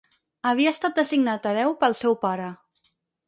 Havia estat designat hereu pel seu pare.